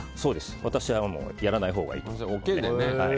私はやらないほうがいいと思います。